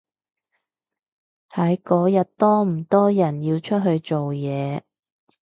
睇嗰日多唔多人要出去做嘢